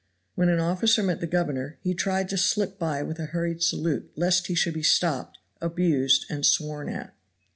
When an officer met the governor he tried to slip by with a hurried salute lest he should be stopped, abused and sworn at.